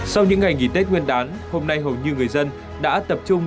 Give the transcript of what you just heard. sau những ngày nghỉ tết nguyên đán hôm nay hầu như người dân đã tập trung